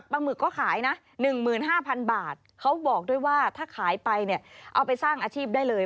หมึกก็ขายนะ๑๕๐๐๐บาทเขาบอกด้วยว่าถ้าขายไปเนี่ยเอาไปสร้างอาชีพได้เลย